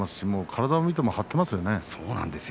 体を見ても張っていますね。